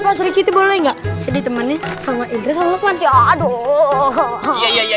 pasti kita boleh enggak jadi temannya sama indra lalu kan ya aduh iya iya iya